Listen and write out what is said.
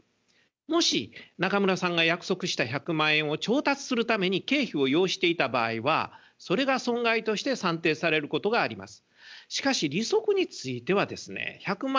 もし中村さんが約束した１００万円を調達するために経費を要していた場合はそれが損害として算定されることがあります。